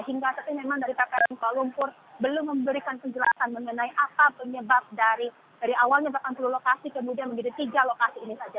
hingga saat ini memang dari ppn kuala lumpur belum memberikan penjelasan mengenai apa penyebab dari awalnya delapan puluh lokasi kemudian menjadi tiga lokasi ini saja